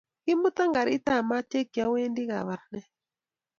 Kimuta karit ab maat yekiawendii Kabarnet